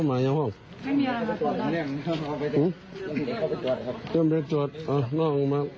ไปอยู่หน้าแฟนชั้นไหม